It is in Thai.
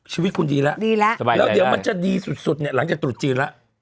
ชีวิตคุณดีแล้วแล้วเดี๋ยวมันจะดีสุดหลังจากตรุษจีนแล้ว